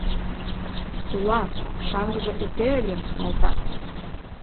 — Тулар, шаҥгыже уке ыльым, калтак...